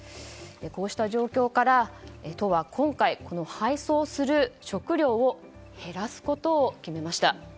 こうした状況から都は今回、配送する食料を減らすことを決めました。